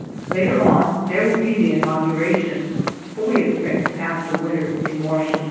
Later on there will be the inauguration for we expect to pass the winter in Washington.